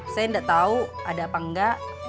saya gak tau ada apa engga